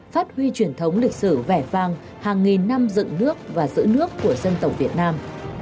phát huy truyền thống lịch sử vẻ vang hàng nghìn năm dựng nước và giữ nước của dân tộc việt nam